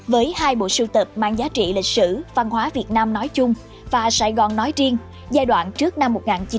với hai bộ sưu tập mang giá trị lịch sử văn hóa việt nam nói chung và sài gòn nói riêng giai đoạn trước năm một nghìn chín trăm bảy mươi năm